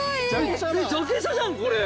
ジャケ写じゃんこれ。